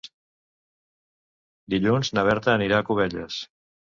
Dilluns na Berta anirà a Cubelles.